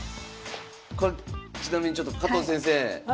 これちなみにちょっと加藤先生